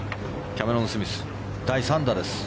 キャメロン・スミス第３打です。